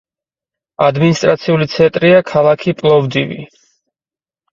ადმინისტრაციული ცენტრია ქალაქი პლოვდივი.